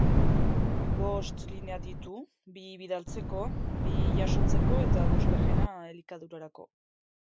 Bost linea ditu: bi bidaltzeko, bi jasotzeko eta bosgarrena elikadurarako.